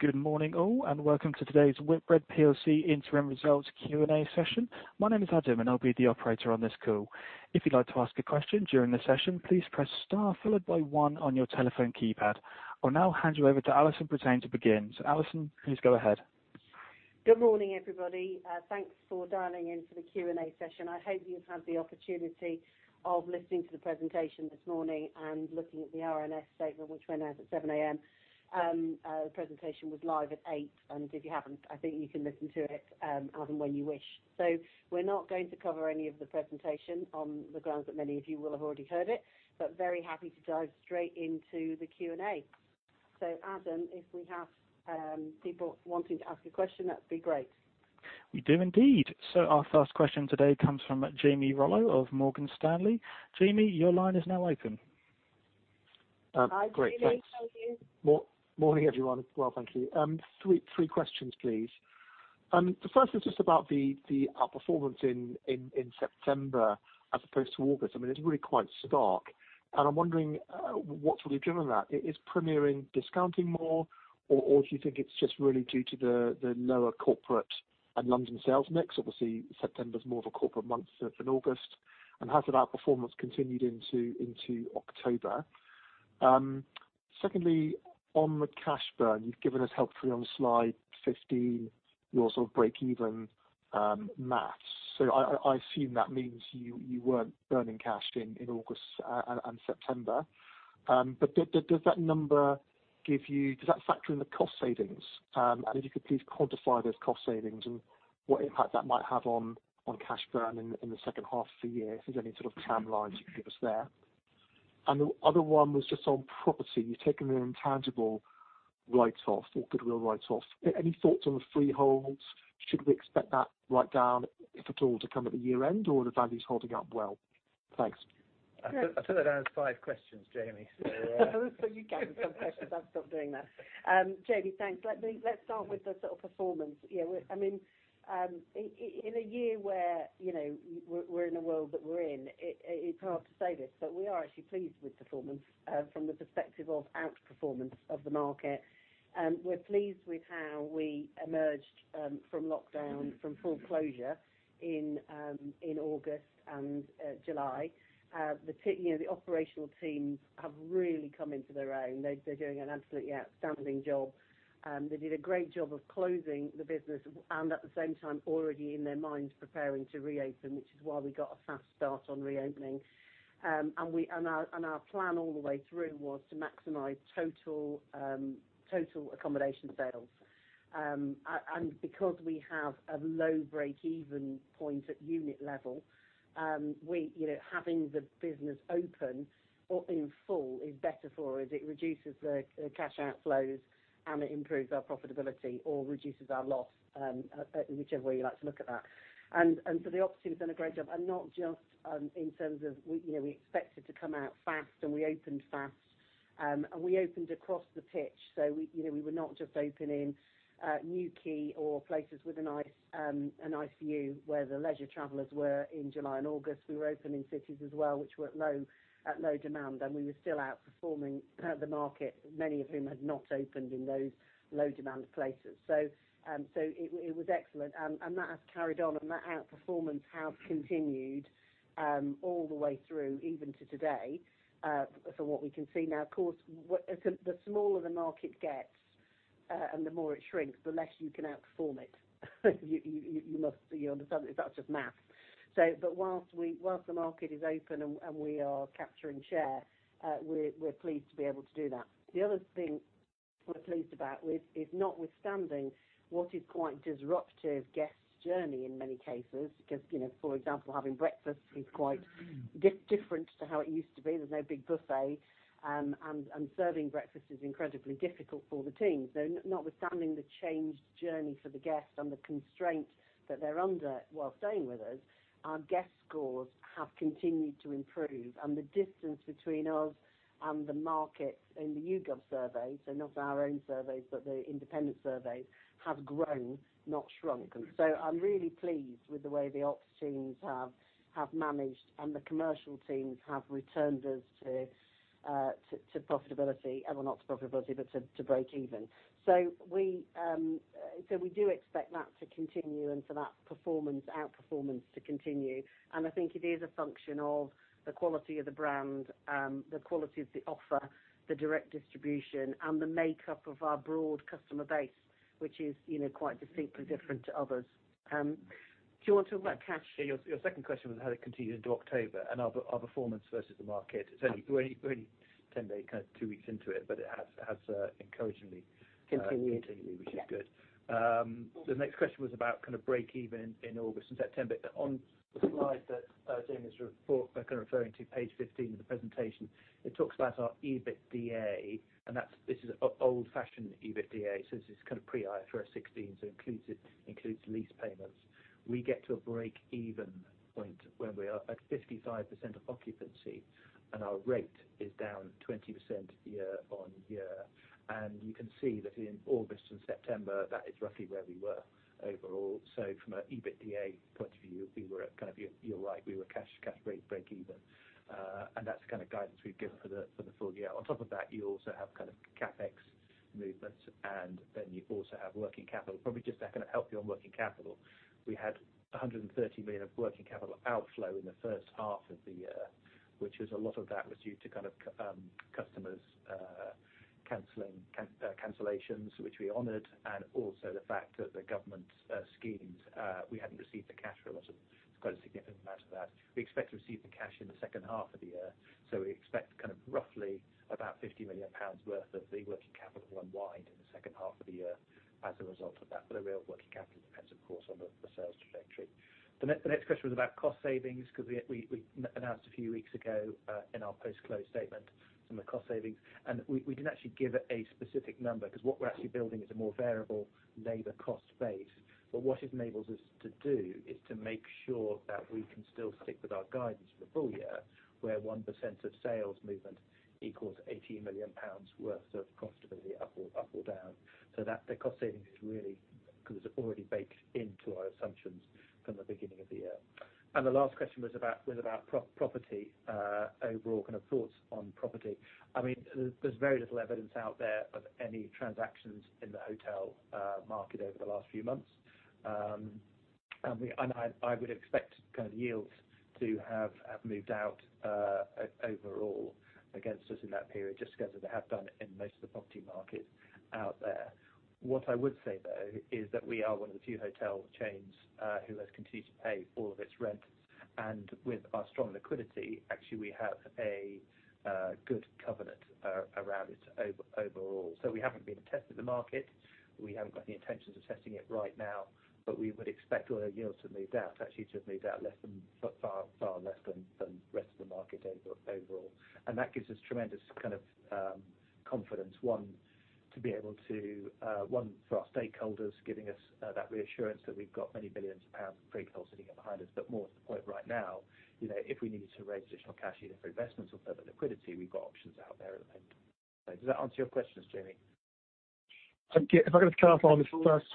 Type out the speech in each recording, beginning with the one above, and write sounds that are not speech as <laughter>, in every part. Good morning, all. Welcome to today's Whitbread PLC Interim Results Q&A session. My name is Adam, and I'll be the operator on this call. I'll now hand you over to Alison Brittain to begin. Alison, please go ahead. Good morning, everybody. Thanks for dialing in to the Q&A session. I hope you've had the opportunity of listening to the presentation this morning and looking at the RNS statement, which went out at 7:00 A.M. The presentation was live at 8:00 A.M, and if you haven't, I think you can listen to it, Adam, when you wish. We're not going to cover any of the presentation on the grounds that many of you will have already heard it, but very happy to dive straight into the Q&A. Adam, if we have people wanting to ask a question, that'd be great. We do indeed. Our first question today comes from Jamie Rollo of Morgan Stanley. Jamie, your line is now open. Hi, Jamie. How are you? Great, thanks. Morning, everyone. Well, thank you. Three questions, please. The first is just about our performance in September as opposed to August. I mean, it's really quite stark, and I'm wondering what's really driven that. Is Premier Inn discounting more, or do you think it's just really due to the lower corporate and London sales mix? Obviously, September's more of a corporate month than August. Has that outperformance continued into October? Secondly, on the cash burn, you've given us helpfully on Slide 15, your sort of break even math. I assume that means you weren't burning cash in August and September. Does that factor in the cost savings? If you could please quantify those cost savings and what impact that might have on cash burn in the second half of the year, if there's any sort of timelines you could give us there. The other one was just on property. You've taken an intangible write-off or goodwill write-off. Any thoughts on the freeholds? Should we expect that write-down, if at all, to come at the year-end, or are the values holding up well? Thanks. Great. I took that as five questions, Jamie. You gave me some questions. I'll stop doing that. Jamie, thanks. Let's start with the sort of performance. In a year where we're in the world that we're in, it's hard to say this, but we are actually pleased with performance from the perspective of outperformance of the market. We're pleased with how we emerged from lockdown, from full closure in August and July. The operational teams have really come into their own. They're doing an absolutely outstanding job. They did a great job of closing the business and at the same time, already in their minds preparing to reopen, which is why we got a fast start on reopening. Our plan all the way through was to maximize total accommodation sales. Because we have a low break-even point at unit level, having the business open in full is better for us. It reduces the cash outflows, it improves our profitability or reduces our loss, whichever way you like to look at that. The ops team have done a great job. Not just in terms of we expected to come out fast, we opened fast, we opened across the pitch. We were not just opening Newquay or places with a nice view where the leisure travelers were in July and August. We were opening cities as well, which were at low demand, we were still outperforming the market, many of whom had not opened in those low-demand places. It was excellent, that has carried on, that outperformance has continued all the way through, even to today, from what we can see now. Of course, the smaller the market gets and the more it shrinks, the less you can outperform it. You understand? That's just math. While the market is open and we're capturing share, we're pleased to be able to do that. The other thing we're pleased about with is notwithstanding what is quite a disruptive guest's journey in many cases, because, for example, having breakfast is quite different to how it used to be. There's no big buffet, and serving breakfast is incredibly difficult for the teams. Notwithstanding the changed journey for the guests and the constraints that they're under while staying with us, our guest scores have continued to improve, and the distance between us and the market in the YouGov surveys, not our own surveys, but the independent surveys, have grown, not shrunken. I'm really pleased with the way the ops teams have managed and the commercial teams have returned us to profitability. Well, not to profitability, but to break even. We do expect that to continue and for that outperformance to continue. I think it is a function of the quality of the brand, the quality of the offer, the direct distribution, and the makeup of our broad customer base, which is quite distinctly different to others. Do you want to talk about cash? Your second question was how it continued into October and our performance versus the market. We're only 10 days, kind of two weeks into it, but it has encouragingly- Continued, which is good. The next question was about kind of break even in August and September. On the slide that Jamie is referring to, page 15 of the presentation, it talks about our EBITDA, and this is old-fashioned EBITDA, so this is kind of pre-IFRS 16, so includes lease payments. We get to a break-even point when we are at 55% of occupancy, and our rate is down 20% year-on-year. You can see that in August and September, that is roughly where we were overall. From an EBITDA point of view, you're right, we were cash break even, and that's the kind of guidance we've given for the full year. On top of that, you also have kind of CapEx movements, and then you also have working capital. Probably just that can help you on working capital. We had 130 million of working capital outflow in the first half of the year, which was a lot of that was due to kind of customer cancellations, which we honored, and also the fact that the government schemes, we hadn't received the cash for a lot of, quite a significant amount of that. We expect to receive the cash in the second half of the year. We expect kind of roughly about 50 million pounds worth of the working capital unwind in the second half of the year as a result of that. The real working capital depends, of course, on the sales trajectory. The next question was about cost savings, because we announced a few weeks ago in our post-close statement some of the cost savings. We didn't actually give a specific number, because what we're actually building is a more variable labor cost base. What it enables us to do is to make sure that we can still stick with our guidance for the full year, where 1% of sales movement equals 18 million pounds worth of profitability, up or down. The cost savings is really kind of already baked into our assumptions from the beginning of the year. The last question was about property, overall kind of thoughts on property. There's very little evidence out there of any transactions in the hotel market over the last few months. I would expect kind of yields to have moved out overall against us in that period, just because as they have done in most of the property market out there. What I would say, though, is that we are one of the few hotel chains who has continued to pay all of its rent. With our strong liquidity, actually, we have a good covenant around it overall. We haven't been tested the market. We haven't got any intentions of testing it right now. We would expect our yields to have moved out, actually to have moved out far less than the rest of the market overall. That gives us tremendous kind of confidence, one, for our stakeholders, giving us that reassurance that we've got many billions of pound of free cash sitting behind us. More to the point right now, if we needed to raise additional cash, either for investments or further liquidity, we've got options out there at the moment. Does that answer your questions, Jamie? If I could just clarify on the first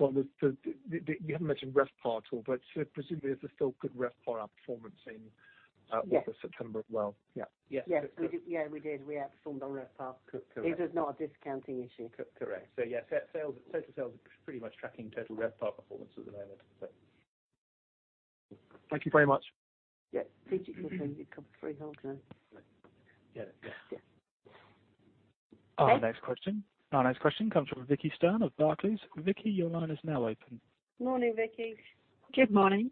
one, you haven't mentioned RevPAR at all, but presumably there's still good RevPAR performance in-? Yes, August, September as well? Yeah. Yes. Yeah, we did. We outperformed on RevPAR. Correct. It is not a discounting issue. Correct. Yeah, total sales are pretty much tracking total RevPAR performance at the moment. Thank you very much. Yeah. [PG came in]. You've covered [three whole question]. Yeah. Our next question comes from Vicki Stern of Barclays. Vicki, your line is now open. Morning, Vicki. Good morning.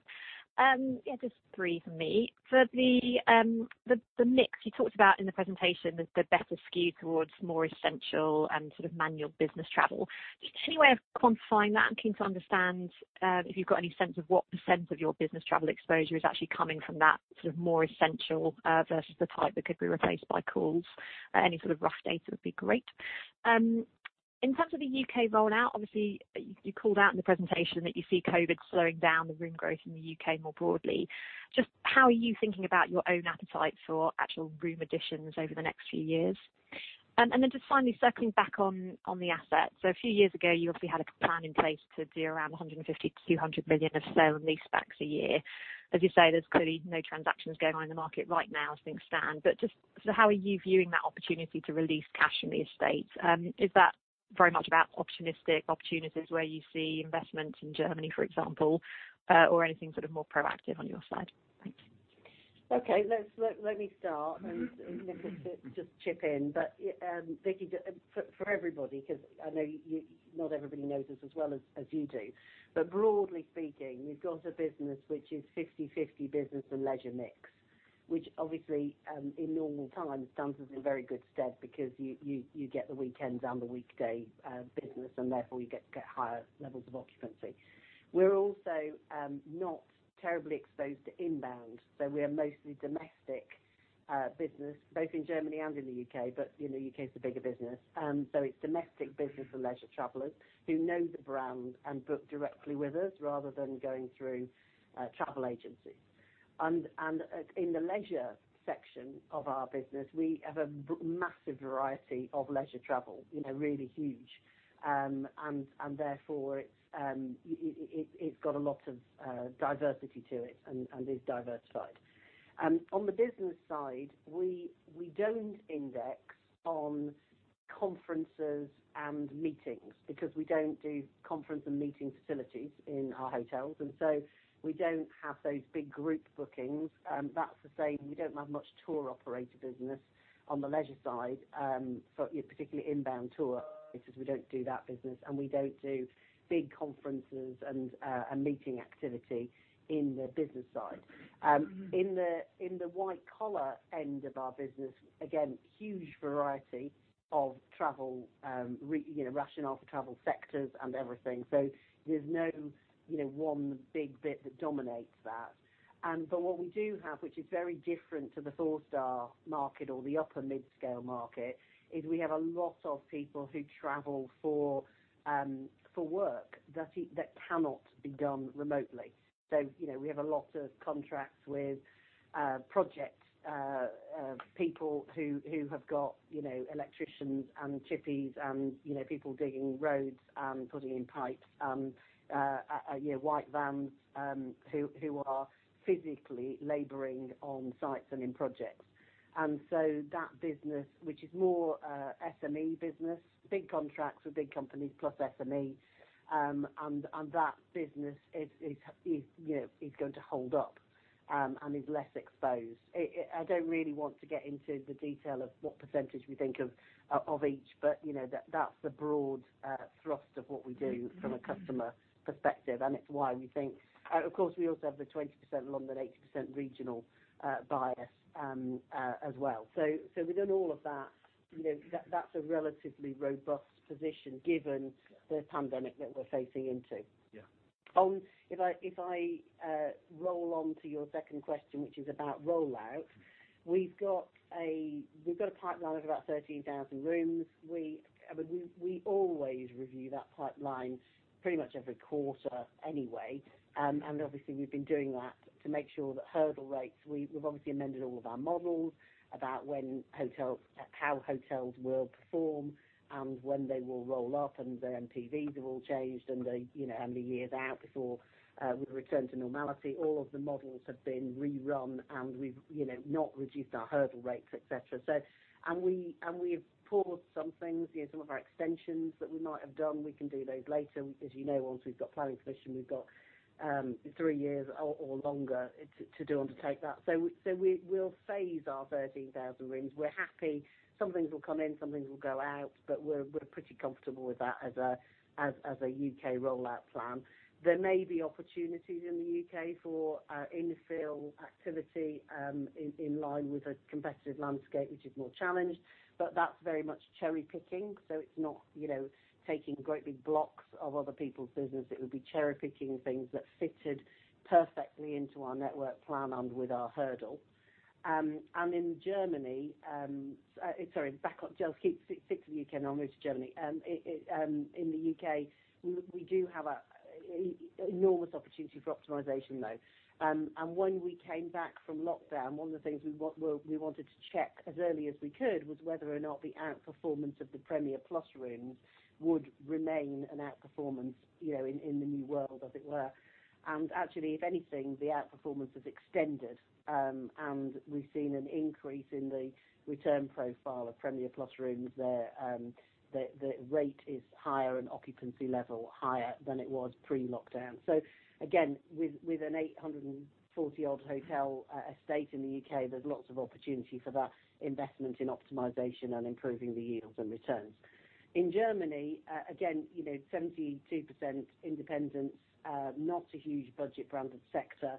Yeah, just three from me. For the mix you talked about in the presentation, the better skew towards more essential and sort of manual business travel. Is there any way of quantifying that? I'm keen to understand if you've got any sense of what % of your business travel exposure is actually coming from that sort of more essential versus the type that could be replaced by calls. Any sort of rough data would be great. In terms of the U.K. rollout, obviously you called out in the presentation that you see COVID-19 slowing down the room growth in the U.K. more broadly. Just how are you thinking about your own appetite for actual room additions over the next few years? Just finally circling back on the asset. A few years ago, you obviously had a plan in place to do around 150 million-200 million of sale and leasebacks a year. As you say, there's clearly no transactions going on in the market right now as things stand. Just how are you viewing that opportunity to release cash from the estate? Is that very much about opportunistic opportunities where you see investment in Germany, for example, or anything sort of more proactive on your side? Thanks. Okay. Let me start. Nicholas just chip in. Vicki, for everybody, because I know not everybody knows us as well as you do. Broadly speaking, we've got a business which is 50/50 business and leisure mix, which obviously in normal times stands us in very good stead because you get the weekends and the weekday business and therefore you get higher levels of occupancy. We're also not terribly exposed to inbound. We are mostly domestic business, both in Germany and in the U.K. U.K. is the bigger business. It's domestic business and leisure travelers who know the brand and book directly with us rather than going through a travel agency. In the leisure section of our business, we have a massive variety of leisure travel, really huge. Therefore it's got a lot of diversity to it and is diversified. On the business side, we don't index on conferences and meetings because we don't do conference and meeting facilities in our hotels, and so we don't have those big group bookings. That's the same, we don't have much tour operator business on the leisure side, particularly inbound tour. We don't do that business, and we don't do big conferences and meeting activity in the business side. In the white collar end of our business, again, huge variety of rationale for travel sectors and everything. There's no one big bit that dominates that. What we do have, which is very different to the four-star market or the upper mid-scale market, is we have a lot of people who travel for work that cannot be done remotely. We have a lot of contracts with project people who have got electricians and chippies and people digging roads and putting in pipes, white vans who are physically laboring on sites and in projects. That business, which is more SME business, big contracts with big companies plus SME, and that business is going to hold up and is less exposed. I don't really want to get into the detail of what percentage we think of each, but that's the broad thrust of what we do from a customer perspective. We also have the 20% London, 80% regional bias as well. Within all of that's a relatively robust position given the pandemic that we're facing into. Yeah. If I roll on to your second question, which is about rollout, we've got a pipeline of about 13,000 rooms. We always review that pipeline pretty much every quarter anyway. Obviously, we've been doing that to make sure that hurdle rates, we've obviously amended all of our models about how hotels will perform and when they will roll up, the NPVs have all changed and the years out before we return to normality. All of the models have been rerun, and we've not reduced our hurdle rates, et cetera. We've paused some things, some of our extensions that we might have done, we can do those later. As you know, once we've got planning permission, we've got three years or longer to undertake that. We'll phase our 13,000 rooms. We're happy. Some things will come in, some things will go out. We're pretty comfortable with that as a U.K. rollout plan. There may be opportunities in the U.K. for infill activity in line with a competitive landscape, which is more challenged. That's very much cherry-picking. It's not taking great big blocks of other people's business. It would be cherry-picking things that fitted perfectly into our network plan and with our hurdle. In Germany. Sorry, back up. Just stick to the U.K., and I'll move to Germany. In the U.K., we do have an enormous opportunity for optimization, though. When we came back from lockdown, one of the things we wanted to check as early as we could was whether or not the outperformance of the Premier Plus rooms would remain an outperformance in the new world, as it were. Actually, if anything, the outperformance has extended, and we've seen an increase in the return profile of Premier Plus rooms there. The rate is higher and occupancy level higher than it was pre-lockdown. Again, with an 840-odd hotel estate in the U.K., there's lots of opportunity for that investment in optimization and improving the yields and returns. In Germany, again, 72% independent, not a huge budget branded sector,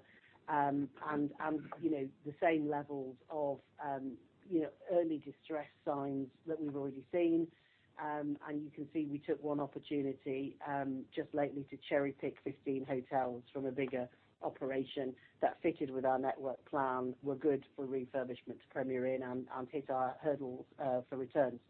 and the same levels of early distress signs that we've already seen. You can see we took one opportunity just lately to cherry-pick 15 hotels from a bigger operation that fitted with our network plan, were good for refurbishment to Premier Inn, and hit our hurdles for returns.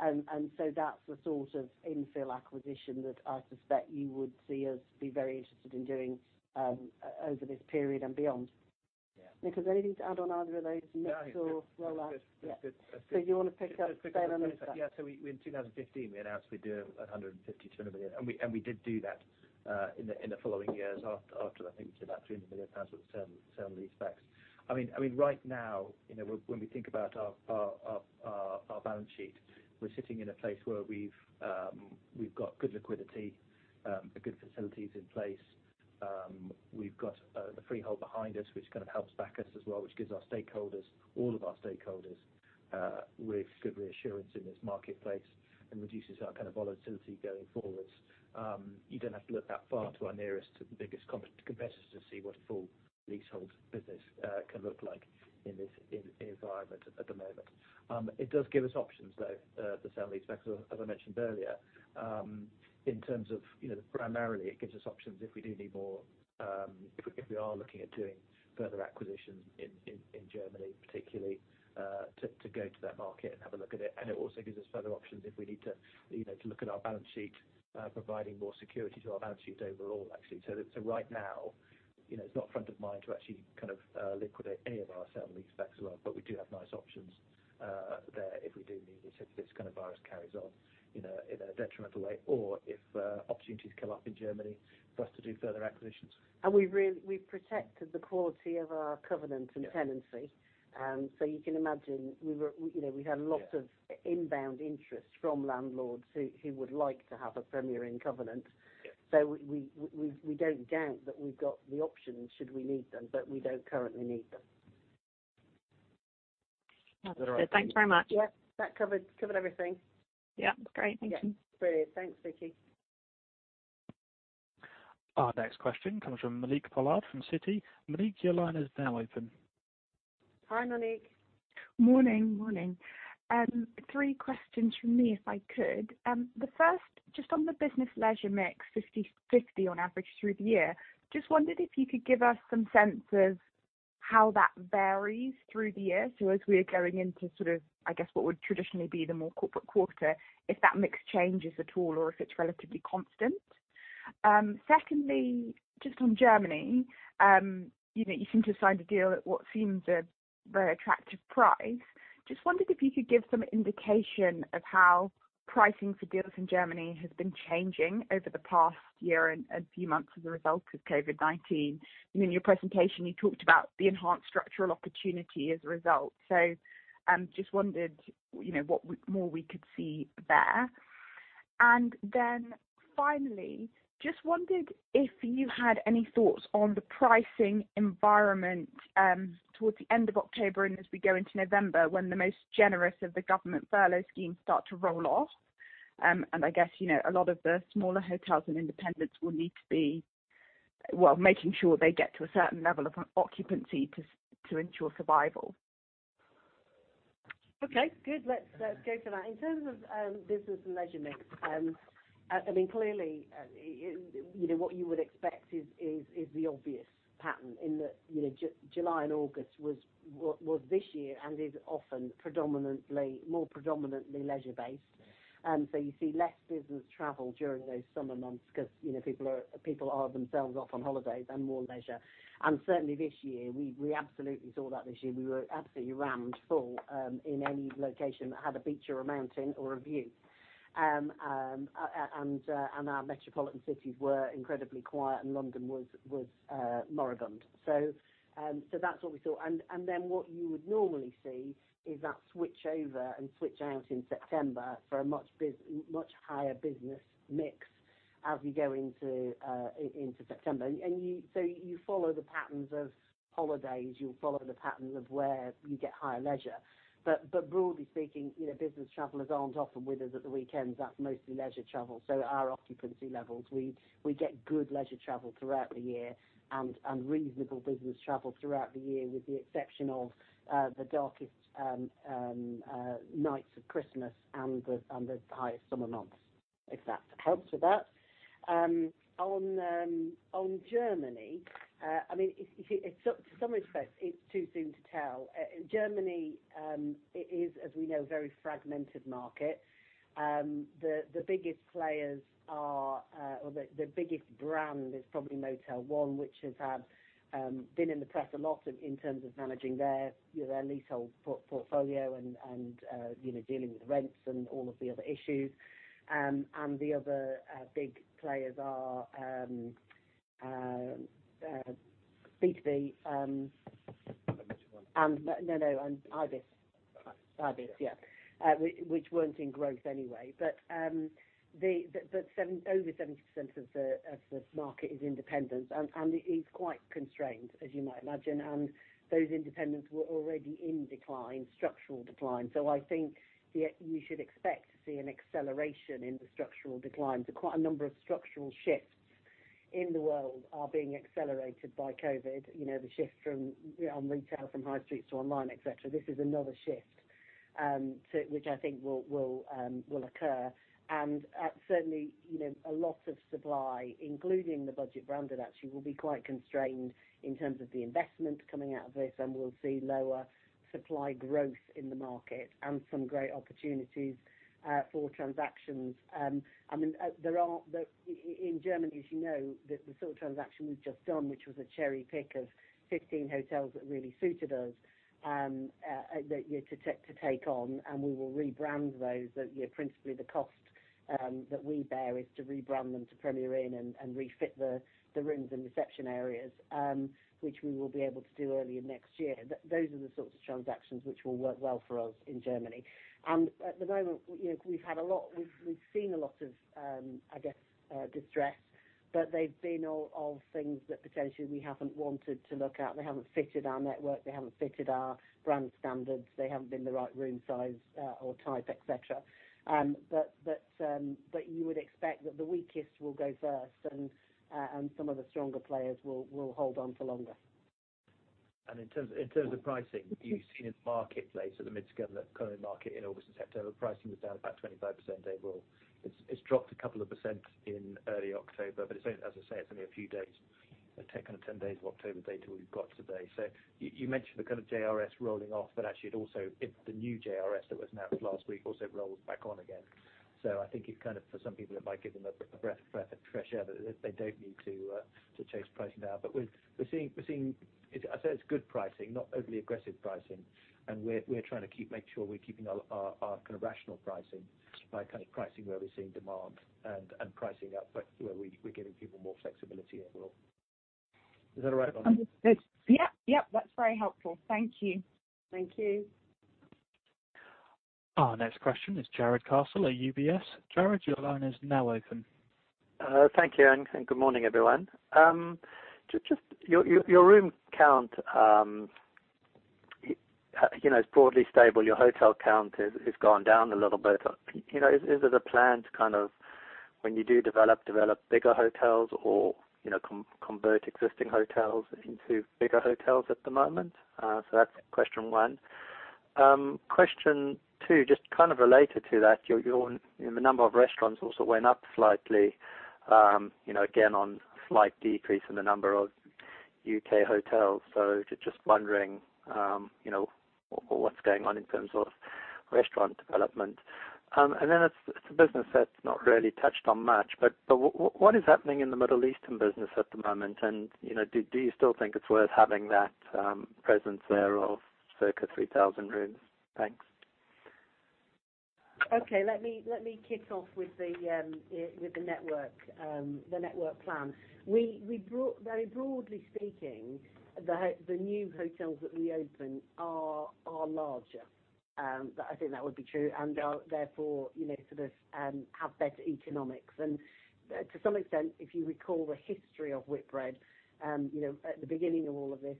That's the sort of infill acquisition that I suspect you would see us be very interested in doing over this period and beyond. Yeah. Nick, has anything to add on either of those, mix or rollout? No. That's good. You want to pick up there. <crosstalk> In 2015, we announced we'd do 150 million-200 million. We did do that in the following years after, I think, to about 300 million pounds worth of sale and leasebacks. Right now, when we think about our balance sheet, we're sitting in a place where we've got good liquidity, good facilities in place. We've got the freehold behind us, which kind of helps back us as well, which gives our stakeholders, all of our stakeholders, with good reassurance in this marketplace and reduces our kind of volatility going forwards. You don't have to look that far to our nearest biggest competitors to see what a full leasehold business can look like in this environment at the moment. It does give us options, though, the sale and leasebacks, as I mentioned earlier. Primarily, it gives us options if we are looking at doing further acquisitions in Germany particularly, to go to that market and have a look at it. It also gives us further options if we need to look at our balance sheet, providing more security to our balance sheet overall, actually. Right now, it's not front of mind to actually liquidate any of our sale and leasebacks as well. We do have nice options there if we do need, if this kind of virus carries on in a detrimental way or if opportunities come up in Germany for us to do further acquisitions. We've protected the quality of our covenant and tenancy. Yeah. You can imagine, we had lots of inbound interest from landlords who would like to have a Premier Inn covenant. Yeah. We don't doubt that we've got the options should we need them, but we don't currently need them. Thanks very much. Yeah. That covered everything. Yeah. Great. Thank you. Yeah. Brilliant. Thanks, Vicki. Our next question comes from Monique Pollard from Citi. Monique, your line is now open. Hi, Monique. Morning. three questions from me, if I could. The first, just on the business leisure mix, 50/50 on average through the year. Just wondered if you could give us some sense of how that varies through the year. As we are going into sort of, I guess, what would traditionally be the more corporate quarter, if that mix changes at all or if it's relatively constant. Secondly, just on Germany, you seem to have signed a deal at what seems a very attractive price. Just wondered if you could give some indication of how pricing for deals in Germany has been changing over the past year and a few months as a result of COVID-19. In your presentation, you talked about the enhanced structural opportunity as a result. Just wondered what more we could see there. Finally, just wondered if you had any thoughts on the pricing environment towards the end of October and as we go into November, when the most generous of the government furlough schemes start to roll off. I guess, a lot of the smaller hotels and independents will need to be making sure they get to a certain level of occupancy to ensure survival. Okay, good. Let's go for that. In terms of business and leisure mix, clearly, what you would expect is the obvious pattern in that July and August was this year and is often more predominantly leisure-based. You see less business travel during those summer months because people are themselves off on holidays and more leisure. Certainly this year, we absolutely saw that this year. We were absolutely rammed full in any location that had a beach or a mountain or a view. Our metropolitan cities were incredibly quiet and London was moribund. That's what we saw. What you would normally see is that switch over and switch out in September for a much higher business mix as we go into September. You follow the patterns of holidays, you'll follow the pattern of where you get higher leisure. Broadly speaking, business travelers aren't often with us at the weekends. That's mostly leisure travel. Our occupancy levels, we get good leisure travel throughout the year and reasonable business travel throughout the year, with the exception of the darkest nights of Christmas and the highest summer months, if that helps with that. On Germany, to some respect, it's too soon to tell. Germany, it is, as we know, a very fragmented market. The biggest brand is probably Motel One, which has been in the press a lot in terms of managing their leasehold portfolio and dealing with rents and all of the other issues. The other big players are B&B Hotels. Motel One. No, Ibis. Ibis. Ibis, yeah, which weren't in growth anyway. Over 70% of the market is independent and it is quite constrained, as you might imagine. Those independents were already in decline, structural decline. I think you should expect to see an acceleration in the structural decline. Quite a number of structural shifts in the world are being accelerated by COVID. The shift on retail from high streets to online, et cetera. This is another shift which I think will occur. Certainly, a lot of supply, including the budget branded actually, will be quite constrained in terms of the investment coming out of this and we'll see lower supply growth in the market and some great opportunities for transactions. In Germany, as you know, the sort of transaction we've just done, which was a cherry-pick of 15 hotels that really suited us to take on and we will rebrand those. Principally the cost that we bear is to rebrand them to Premier Inn and refit the rooms and reception areas, which we will be able to do early next year. Those are the sorts of transactions which will work well for us in Germany. At the moment, we've seen a lot of, I guess, distress, but they've been all of things that potentially we haven't wanted to look at. They haven't fitted our network, they haven't fitted our brand standards, they haven't been the right room size or type, et cetera. You would expect that the weakest will go first and some of the stronger players will hold on for longer. In terms of pricing, you've seen in the marketplace, at the mid scale current market in August and September, pricing was down about 25% overall. It's dropped a 2% in early October, but as I say, it's only a few days, kind of 10 days of October data we've got today. You mentioned the kind of JRS rolling off, but actually, the new JRS that was announced last week also rolls back on again. I think for some people, it might give them a breath of fresh air that they don't need to chase pricing down. We're seeing, I'd say it's good pricing, not overly aggressive pricing. We're trying to make sure we're keeping our kind of rational pricing by kind of pricing where we're seeing demand and pricing up where we're giving people more flexibility overall. Is that all right, Monique? Yep. That's very helpful. Thank you. Thank you. Our next question is Jarrod Castle at UBS. Jarrod, your line is now open. Thank you and good morning, everyone. Your room count is broadly stable. Your hotel count has gone down a little bit. Is there a plan to when you do develop bigger hotels or convert existing hotels into bigger hotels at the moment? That's question one. Question two, related to that, the number of restaurants also went up slightly, again, on slight decrease in the number of U.K. hotels. Wondering what's going on in terms of restaurant development. It's a business that's not really touched on much, but what is happening in the Middle Eastern business at the moment? Do you still think it's worth having that presence there of circa 3,000 rooms? Thanks. Okay. Let me kick off with the network plan. Very broadly speaking, the new hotels that we open are larger, but I think that would be true and therefore, sort of have better economics. To some extent, if you recall the history of Whitbread, at the beginning of all of this,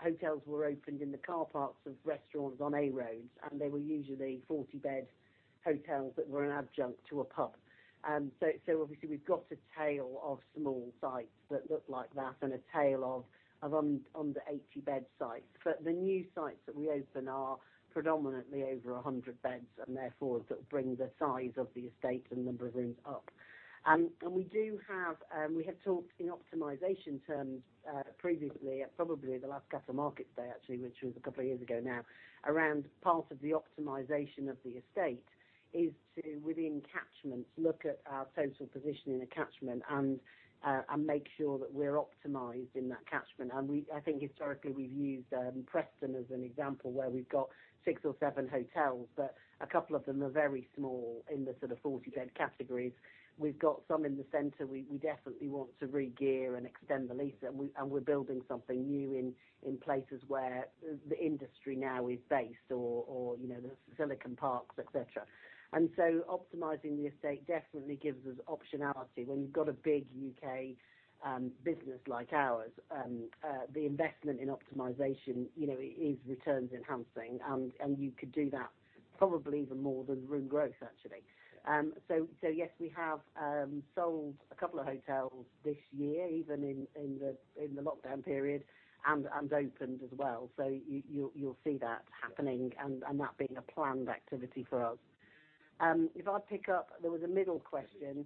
hotels were opened in the car parks of restaurants on A roads, and they were usually 40-bed hotels that were an adjunct to a pub. Obviously we've got a tail of small sites that look like that and a tail of under 80-bed sites. The new sites that we open are predominantly over 100 beds and therefore bring the size of the estate and number of rooms up. We have talked in optimization terms, previously, at probably the last Capital Markets Day, actually, which was a couple of years ago now, around part of the optimization of the estate is to, within catchments, look at our total position in a catchment and make sure that we're optimized in that catchment. I think historically we've used Preston as an example where we've got six or seven hotels, but a couple of them are very small in the sort of 40-bed categories. We've got some in the center, we definitely want to regear and extend the lease, and we're building something new in places where the industry now is based or the science parks, et cetera. Optimizing the estate definitely gives us optionality. When you've got a big U.K. business like ours, the investment in optimization is returns enhancing, and you could do that probably even more than room growth, actually. Yes, we have sold a couple of hotels this year, even in the lockdown period and opened as well. You'll see that happening and that being a planned activity for us. If I pick up, there was a Middle East question,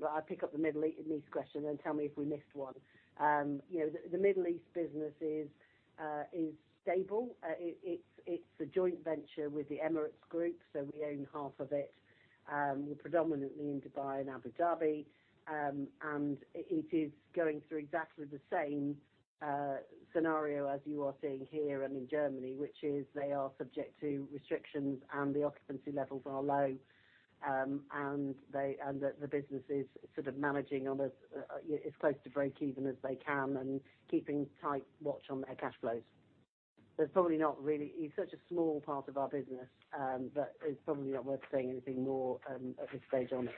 but I pick up the Middle East question, then tell me if we missed one. The Middle East business is stable. It's a joint venture with the Emirates Group, so we own half of it. We're predominantly in Dubai and Abu Dhabi. It is going through exactly the same scenario as you are seeing here and in Germany, which is they are subject to restrictions and the occupancy levels are low. The business is sort of managing on as close to breakeven as they can and keeping a tight watch on their cash flows. It's such a small part of our business that it's probably not worth saying anything more at this stage on it.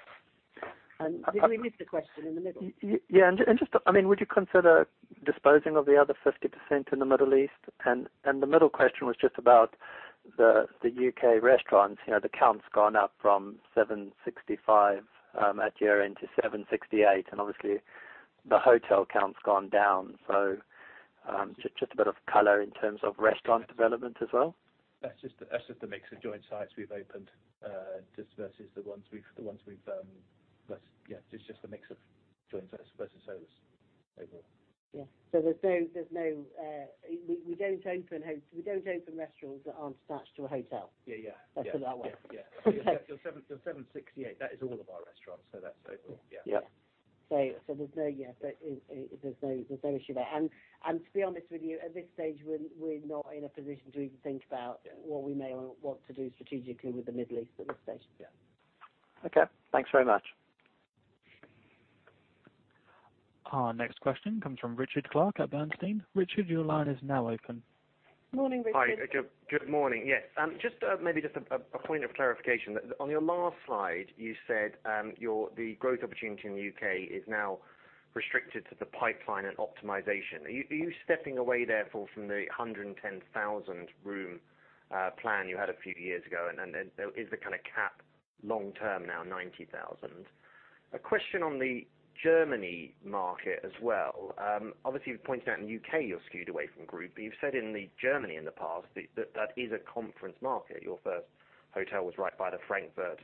Did we miss the question in the middle? Yeah. Would you consider disposing of the other 50% in the Middle East? The middle question was just about the U.K. restaurants. The count's gone up from 765 at year-end to 768, obviously the hotel count's gone down. Just a bit of color in terms of restaurant development as well. It's just a mix of joint versus service overall. We don't open restaurants that aren't attached to a hotel. Yeah. Let's put it that way. Yeah. 768, that is all of our restaurants. That's overall. Yeah. There's no issue there. To be honest with you, at this stage, we're not in a position to even think about what we may want to do strategically with the Middle East at this stage. Okay. Thanks very much. Our next question comes from Richard Clarke at Bernstein. Richard, your line is now open. Morning, Richard. Hi. Good morning. Yes. Maybe just a point of clarification. On your last slide, you said the growth opportunity in the U.K. is now restricted to the pipeline and optimization. Are you stepping away therefore from the 110,000 room plan you had a few years ago? Is the kind of cap long-term now 90,000? A question on the Germany market as well. Obviously, you've pointed out in the U.K., you're skewed away from group. You've said in Germany in the past, that is a conference market. Your first hotel was right by the Frankfurt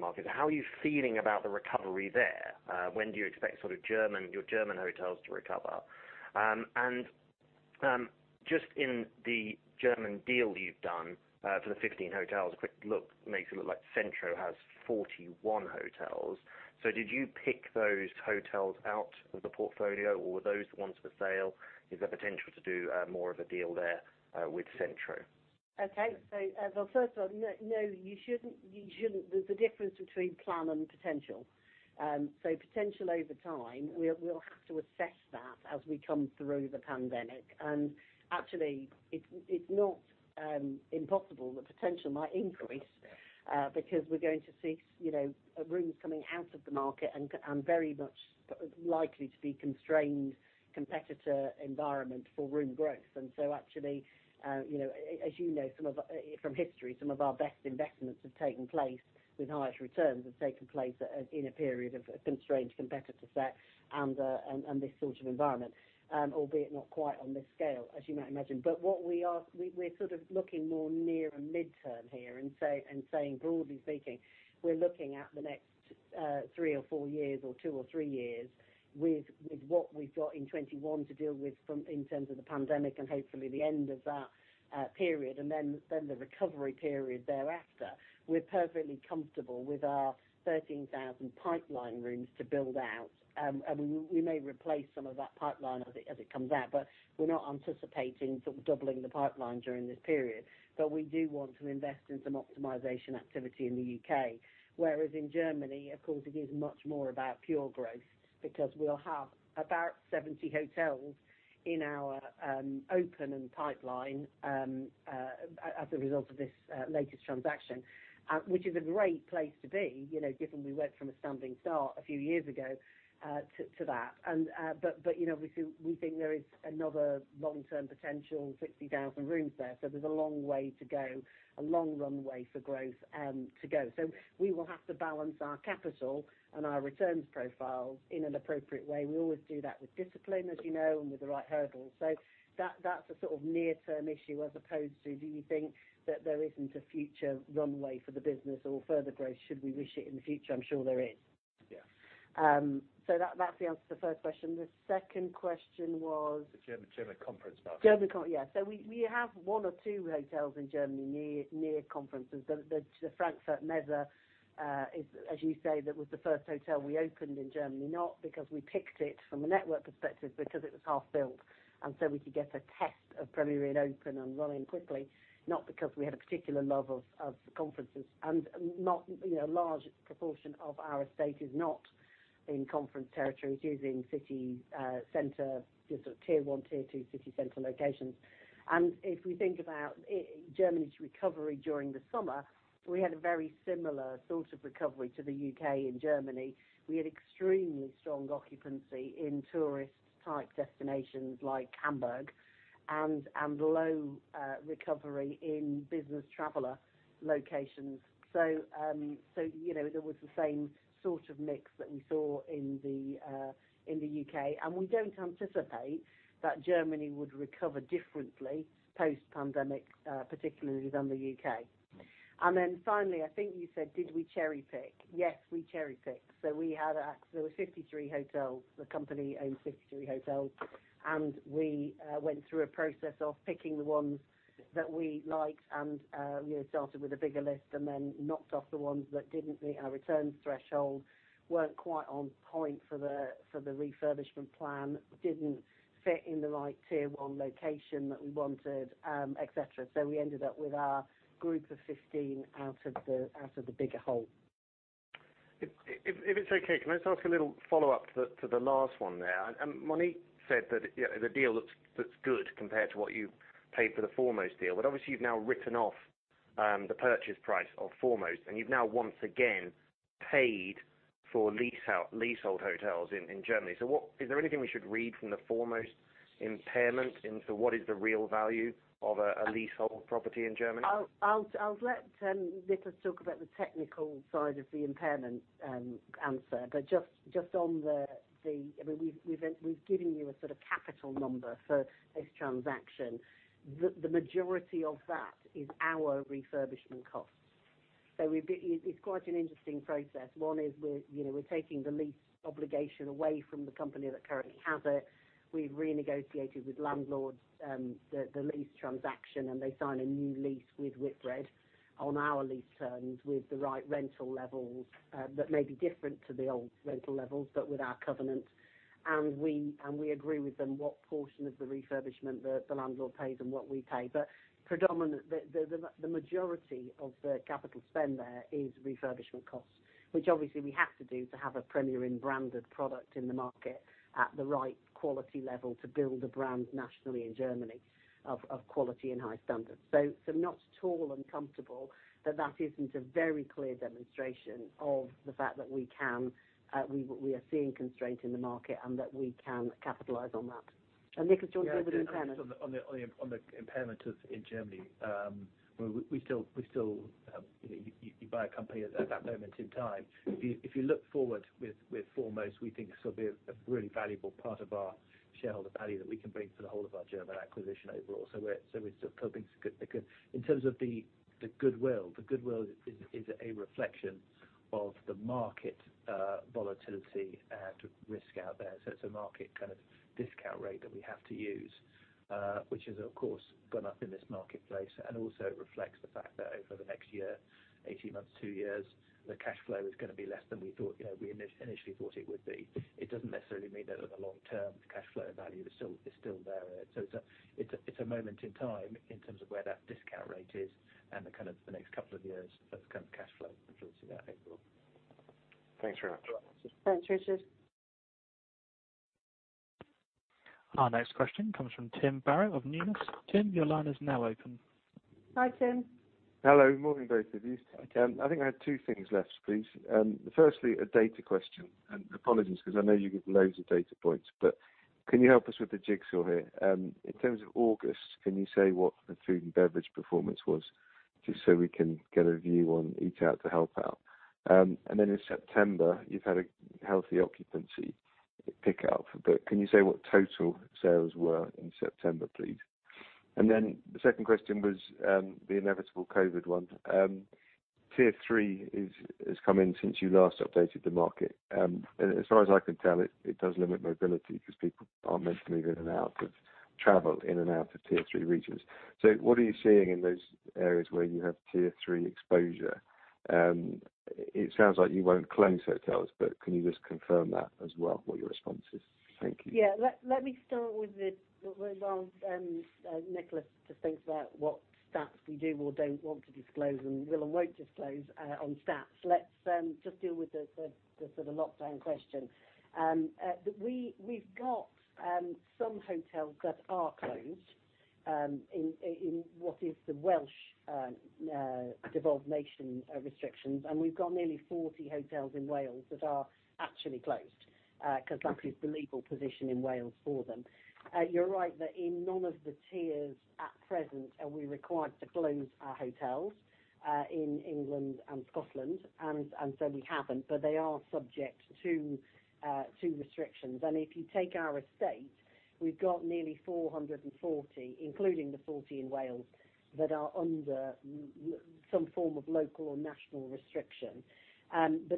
market. How are you feeling about the recovery there? When do you expect your German hotels to recover? Just in the German deal you've done, for the 15 hotels, a quick look makes it look like Centro has 41 hotels. Did you pick those hotels out of the portfolio or were those the ones for sale? Is there potential to do more of a deal there with Centro? Okay. Well, first of all, no, there's a difference between plan and potential. Potential over time, we'll have to assess that as we come through the pandemic. Actually, it's not impossible the potential might increase because we're going to see rooms coming out of the market and very much likely to be constrained competitor environment for room growth. Actually, as you know from history, some of our best investments have taken place with highest returns, have taken place in a period of constrained competitor set and this sort of environment. Albeit not quite on this scale, as you might imagine. We're sort of looking more near and midterm here and saying, broadly speaking, we're looking at the next three or four years, or two or three years with what we've got in 2021 to deal with in terms of the pandemic and hopefully the end of that period, and then the recovery period thereafter. We're perfectly comfortable with our 13,000 pipeline rooms to build out. We may replace some of that pipeline as it comes out, but we're not anticipating doubling the pipeline during this period. We do want to invest in some optimization activity in the U.K. Whereas in Germany, of course, it is much more about pure growth because we'll have about 70 hotels in our open and pipeline as a result of this latest transaction, which is a great place to be, given we went from a standing start a few years ago to that. Obviously, we think there is another long-term potential 60,000 rooms there. There's a long way to go, a long runway for growth to go. We will have to balance our capital and our returns profile in an appropriate way. We always do that with discipline, as you know, and with the right hurdles. That's a sort of near-term issue as opposed to, do you think that there isn't a future runway for the business or further growth should we wish it in the future? I'm sure there is. Yeah. That's the answer to the first question. The second question was. The German conference parks. yeah. We have one or two hotels in Germany near conferences. The Frankfurt Messe, as you say, that was the first hotel we opened in Germany, not because we picked it from a network perspective, because it was half built, and so we could get a test of Premier Inn open and running quickly, not because we had a particular love of conferences. A large proportion of our estate is not in conference territories using city center, just sort of tier 1, tier 2 city center locations. If we think about Germany's recovery during the summer, we had a very similar sort of recovery to the U.K. in Germany. We had extremely strong occupancy in tourist-type destinations like Hamburg, and low recovery in business traveler locations. There was the same sort of mix that we saw in the U.K. We don't anticipate that Germany would recover differently post-pandemic, particularly than the U.K. Finally, I think you said, did we cherry-pick? Yes, we cherry-pick. There were 53 hotels. The company owns 53 hotels. We went through a process of picking the ones that we liked, and we started with a bigger list and then knocked off the ones that didn't meet our returns threshold, weren't quite on point for the refurbishment plan, didn't fit in the right tier 1 location that we wanted, et cetera. We ended up with a group of 15 out of the bigger whole. If it's okay, can I just ask a little follow-up to the last one there? Monique said that the deal looks good compared to what you paid for the Foremost deal. Obviously, you've now written off the purchase price of Foremost, and you've now once again paid for leasehold hotels in Germany. Is there anything we should read from the Foremost impairment into what is the real value of a leasehold property in Germany? I'll let Nicholas talk about the technical side of the impairment answer. Just on the We've given you a sort of capital number for this transaction. The majority of that is our refurbishment costs. It's quite an interesting process. One is we're taking the lease obligation away from the company that currently has it. We've renegotiated with landlords the lease transaction, and they sign a new lease with Whitbread on our lease terms with the right rental levels that may be different to the old rental levels, but with our covenant. We agree with them what portion of the refurbishment the landlord pays and what we pay. The majority of the capital spend there is refurbishment costs, which obviously we have to do to have a Premier Inn branded product in the market at the right quality level to build a brand nationally in Germany of quality and high standards. I'm not at all uncomfortable that that isn't a very clear demonstration of the fact that we are seeing constraint in the market and that we can capitalize on that. Nicholas, do you want to deal with the impairment? On the impairment in Germany, you buy a company at that moment in time. If you look forward with Foremost, we think it's going to be a really valuable part of our shareholder value that we can bring to the whole of our German acquisition overall. We're still hoping it's good. In terms of the goodwill, the goodwill is a reflection of the market volatility and risk out there. It's a market kind of discount rate that we have to use, which has, of course, gone up in this marketplace, and also it reflects the fact that over the next year, 18 months, two years, the cash flow is going to be less than we initially thought it would be. It doesn't necessarily mean that the long-term cash flow value is still there. It's a moment in time in terms of where that discount rate is and the kind of the next couple of years of kind of cash flow [that April]. Thanks very much. Thanks, Richard. Our next question comes from Tim Barrett of Numis. Tim, your line is now open. Hi, Tim. Hello. Morning, both of you. Hi, Tim. I think I have two things left, please. Firstly, a data question. Apologies because I know you give loads of data points, but can you help us with the jigsaw here? In terms of August, can you say what the food and beverage performance was, just so we can get a view on Eat Out to Help Out? In September, you've had a healthy occupancy pick up, but can you say what total sales were in September, please? The second question was the inevitable COVID one. Tier 3 has come in since you last updated the market. As far as I can tell, it does limit mobility because people aren't meant to move in and out of travel in and out of tier 3 regions. What are you seeing in those areas where you have tier 3 exposure? It sounds like you won't close hotels, but can you just confirm that as well, what your response is? Thank you. Yeah. Let me start while Nicholas just thinks about what stats we do or don't want to disclose and will and won't disclose on stats. Let's just deal with the sort of lockdown question. We've got some hotels that are closed in what is the Welsh devolved nation restrictions, and we've got nearly 40 hotels in Wales that are actually closed because that is the legal position in Wales for them. You're right that in none of the tiers at present are we required to close our hotels in England and Scotland. We haven't, but they are subject to restrictions. If you take our estate, we've got nearly 440, including the 40 in Wales, that are under some form of local or national restriction.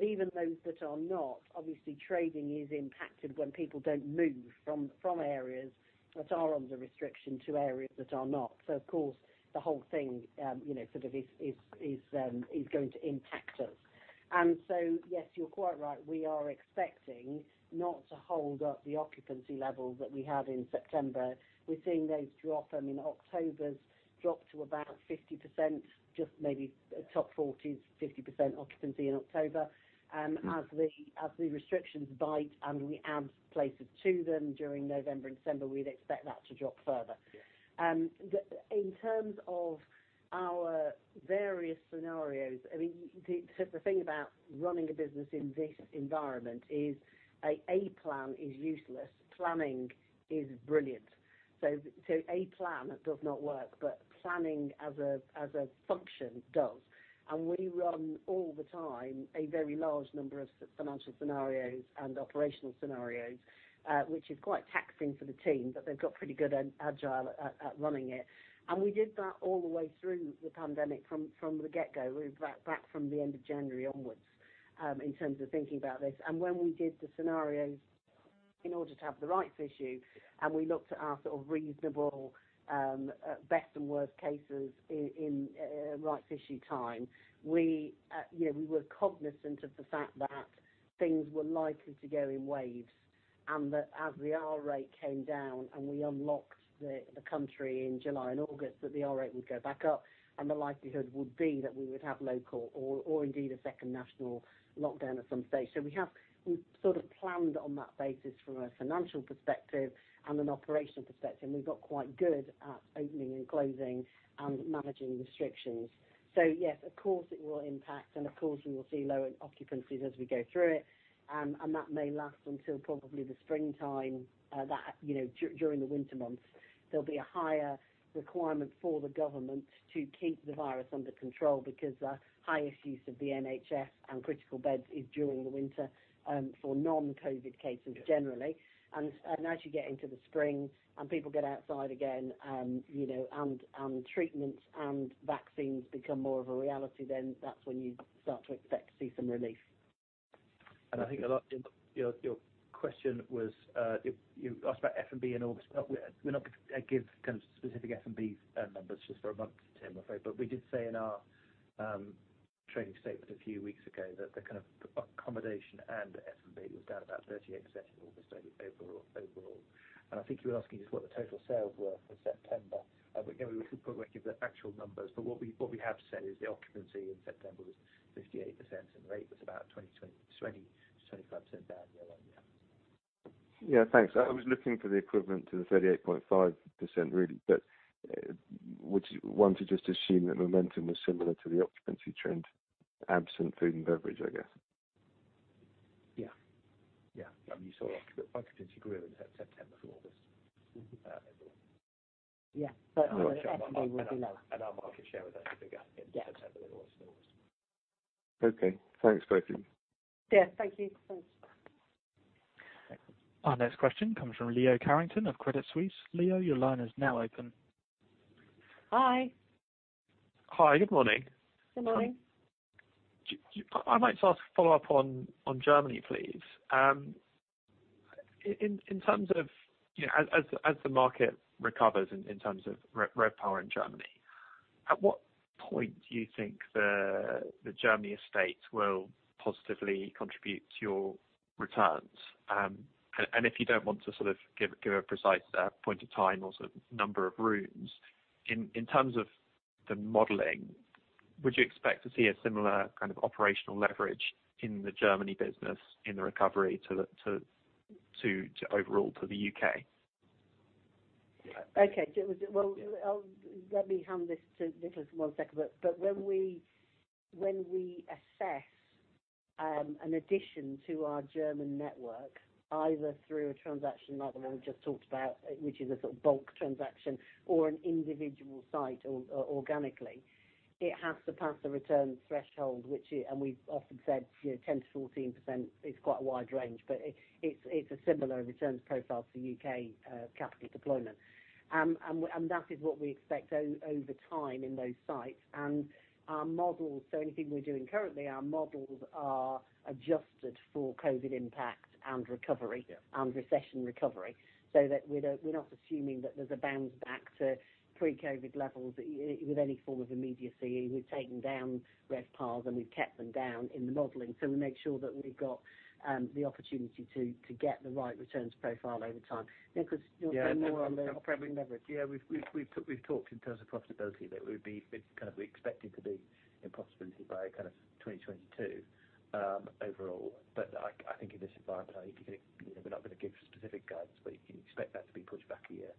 Even those that are not, obviously trading is impacted when people don't move from areas that are under restriction to areas that are not. Of course, the whole thing is going to impact us. Yes, you're quite right. We are expecting not to hold up the occupancy levels that we had in September. We're seeing those drop. October's dropped to about 50%, just maybe top 40%, 50% occupancy in October. As the restrictions bite and we add places to them during November and December, we'd expect that to drop further. Yes. In terms of our various scenarios, the thing about running a business in this environment is, a plan is useless. Planning is brilliant. A plan does not work, but planning as a function does. We run all the time a very large number of financial scenarios and operational scenarios, which is quite taxing for the team, but they've got pretty good and agile at running it. We did that all the way through the pandemic from the get-go, back from the end of January onwards in terms of thinking about this. When we did the scenarios in order to have the rights issue, and we looked at our reasonable best and worst cases in rights issue time, we were cognizant of the fact that things were likely to go in waves, and that as the R rate came down and we unlocked the country in July and August, that the R rate would go back up and the likelihood would be that we would have local or indeed a second national lockdown at some stage. We have planned on that basis from a financial perspective and an operational perspective. We've got quite good at opening and closing and managing restrictions. Yes, of course it will impact, and of course, we will see lower occupancies as we go through it, and that may last until probably the springtime. During the winter months, there'll be a higher requirement for the government to keep the virus under control because the highest use of the NHS and critical beds is during the winter for non-COVID cases generally. Yes. As you get into the spring and people get outside again and treatments and vaccines become more of a reality, then that's when you start to expect to see some relief. I think a lot in your question was you asked about F&B in August. We're not going to give specific F&B numbers just for a month, Tim, I'm afraid. We did say in our trading statement a few weeks ago that the kind of accommodation and F&B was down about 38% in August overall. I think you were asking us what the total sales were for September. Again, we probably won't give the actual numbers, but what we have said is the occupancy in September was 58%, and rate was about 20%-25% down year-on-year. Yeah, thanks. I was looking for the equivalent to the 38.5% really, but would one to just assume that momentum was similar to the occupancy trend, absent food and beverage, I guess? Yeah. You saw occupancy grew in September from August. Yeah, F&B will be lower. Our market share was actually bigger in September than it was in August. Okay. Thanks, both of you. Yeah, thank you. Thanks. Thanks. Our next question comes from Leo Carrington of Credit Suisse. Leo, your line is now open. Hi. Hi, good morning. Good morning. I might just ask a follow-up on Germany, please. In terms of as the market recovers in terms of RevPAR in Germany, at what point do you think the Germany estate will positively contribute to your returns? If you don't want to give a precise point of time or number of rooms, in terms of the modeling, would you expect to see a similar kind of operational leverage in the Germany business in the recovery to overall to the U.K.? Okay. Well, let me hand this to Nicholas for one second. When we assess an addition to our German network, either through a transaction like the one we just talked about, which is a bulk transaction or an individual site organically, it has to pass a returns threshold, and we've often said 10%-14%, it's quite a wide range, but it's a similar returns profile to U.K. capital deployment. That is what we expect over time in those sites and our models. Anything we're doing currently, our models are adjusted for COVID-19 impact and recovery. Yeah. We're not assuming that there's a bounce back to pre-COVID levels with any form of immediacy. We've taken down RevPARs, and we've kept them down in the modeling. We make sure that we've got the opportunity to get the right returns profile over time. Nicholas, do you want to say more? On probably leverage. We've talked in terms of profitability that we expect it to be in profitability by 2022 overall. I think in this environment, we're not going to give specific guidance, but you can expect that to be pushed back a year.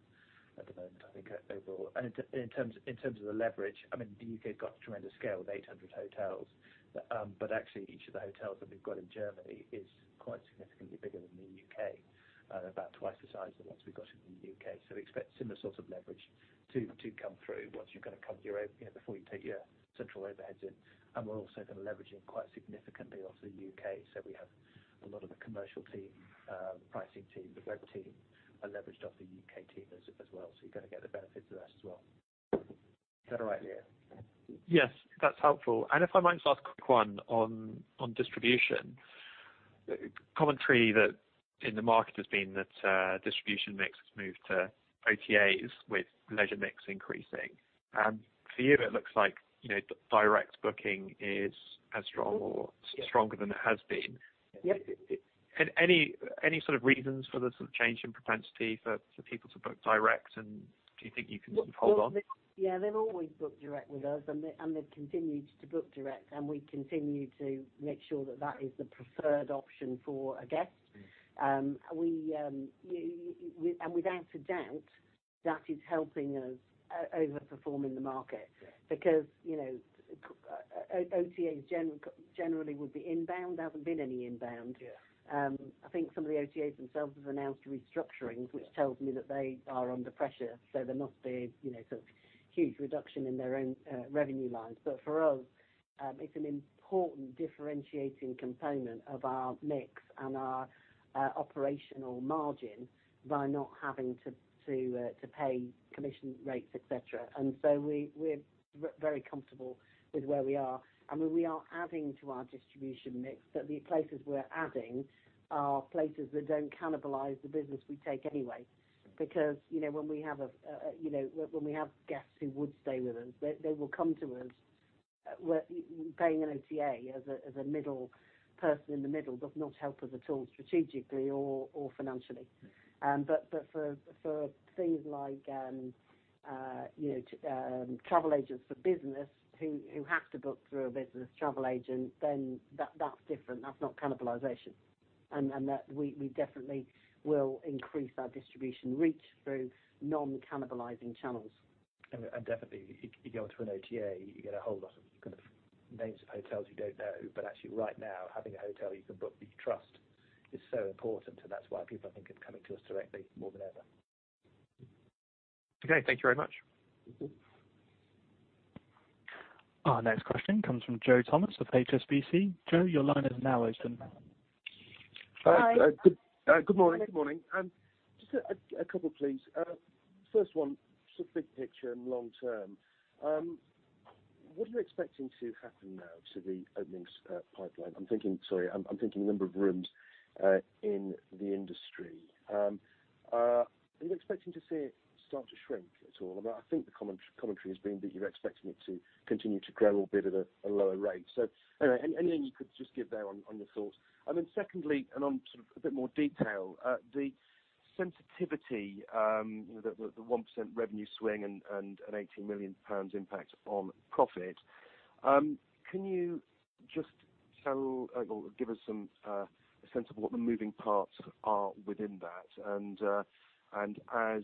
At the moment, I think overall. In terms of the leverage, the U.K.'s got tremendous scale with 800 hotels. Actually, each of the hotels that we've got in Germany is quite significantly bigger than the U.K., about twice the size of the ones we've got in the U.K. We expect similar sorts of leverage to come through once you've kind of cut your before you take your central overheads in. We're also going to leverage in quite significantly off the U.K. We have a lot of the commercial team, pricing team, the web team, are leveraged off the U.K. team as well. You're going to get the benefit of that as well. Is that all right, Leo? Yes, that's helpful. If I might just ask a quick one on distribution. Commentary in the market has been that distribution mix has moved to OTAs with leisure mix increasing. For you, it looks like direct booking is as strong or stronger than it has been. Yep. Any sort of reasons for the sort of change in propensity for people to book direct, and do you think you can hold on? Yeah, they've always booked direct with us, and they've continued to book direct, and we continue to make sure that that is the preferred option for a guest. Without a doubt, that is helping us over-perform in the market because OTAs generally would be inbound. There hasn't been any inbound. Yeah. I think some of the OTAs themselves have announced restructurings, which tells me that they are under pressure, so there must be a sort of huge reduction in their own revenue lines. For us, it's an important differentiating component of our mix and our operational margin by not having to pay commission rates, et cetera. We're very comfortable with where we are. I mean, we are adding to our distribution mix, but the places we're adding are places that don't cannibalize the business we take anyway. When we have guests who would stay with us, they will come to us. Paying an OTA as a middle person in the middle does not help us at all strategically or financially. For things like travel agents for business who have to book through a business travel agent, then that's different. That's not cannibalization. That we definitely will increase our distribution reach through non-cannibalizing channels. Definitely, if you go through an OTA, you get a whole lot of kind of names of hotels you don't know. Actually right now, having a hotel you can book that you trust is so important, and that's why people, I think, are coming to us directly more than ever. Okay. Thank you very much. Our next question comes from Joe Thomas with HSBC. Joe, your line is now open. Hi. Good morning. Just a couple, please. First one, big picture and long term. What are you expecting to happen now to the openings pipeline? Sorry, I am thinking number of rooms in the industry. Are you expecting to see it start to shrink at all? I think the commentary has been that you are expecting it to continue to grow, a bit at a lower rate. Anything you could just give there on your thoughts. Secondly, a bit more detail, the sensitivity, the 1% revenue swing and a 18 million pounds impact on profit. Can you just tell or give us a sense of what the moving parts are within that and as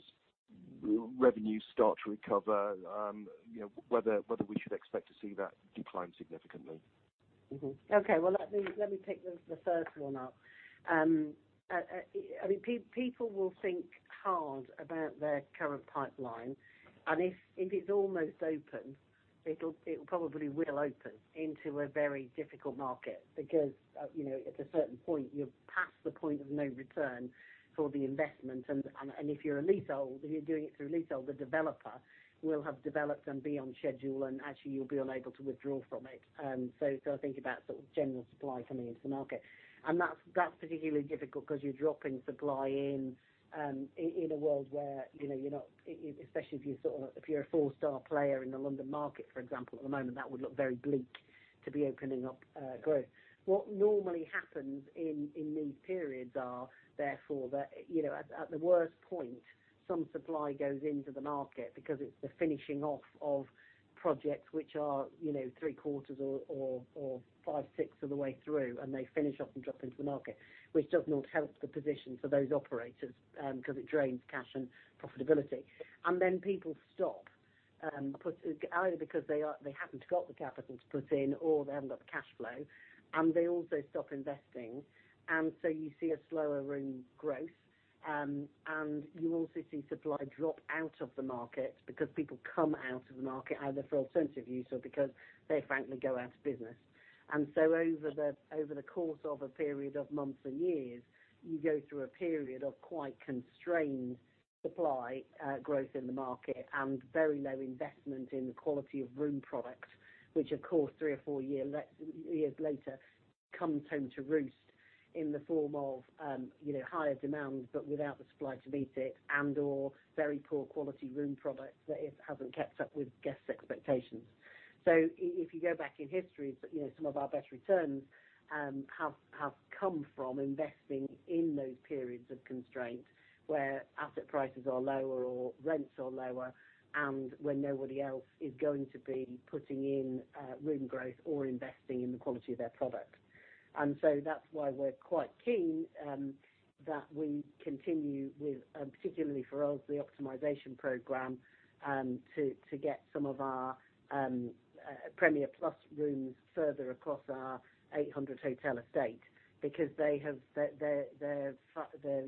revenues start to recover whether we should expect to see that decline significantly? Okay, well, let me take the first one up. People will think hard about their current pipeline. If it's almost open, it probably will open into a very difficult market because at a certain point, you're past the point of no return for the investment. If you're a leasehold, if you're doing it through leasehold, the developer will have developed and be on schedule, and actually you'll be unable to withdraw from it. Think about sort of general supply coming into the market. That's particularly difficult because you're dropping supply in a world where, especially if you're a four-star player in the London market, for example, at the moment, that would look very bleak to be opening up growth. What normally happens in these periods are, therefore, that at the worst point, some supply goes into the market because it's the finishing off of projects which are three-quarters or five-sixths of the way through, and they finish off and drop into the market, which does not help the position for those operators because it drains cash and profitability. People stop, either because they haven't got the capital to put in or they haven't got the cash flow, and they also stop investing, and so you see a slower room growth. You also see supply drop out of the market because people come out of the market either for alternative use or because they frankly go out of business. Over the course of a period of months and years, you go through a period of quite constrained supply growth in the market and very low investment in the quality of room product, which of course, three or four years later, comes home to roost in the form of higher demand, but without the supply to meet it and/or very poor quality room product that it hasn't kept up with guests' expectations. If you go back in history, some of our best returns have come from investing in those periods of constraint where asset prices are lower or rents are lower and when nobody else is going to be putting in room growth or investing in the quality of their product. That's why we're quite keen that we continue with, particularly for us, the optimization program, to get some of our Premier Plus rooms further across our 800-hotel estate because their